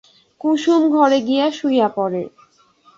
কুসুম ঘরে গিয়া শুইয়া পড়ে।